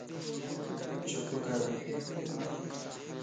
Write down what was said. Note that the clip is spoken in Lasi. چپ ڪَر